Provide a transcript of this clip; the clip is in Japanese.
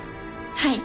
はい。